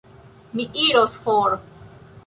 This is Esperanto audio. Mi iros for.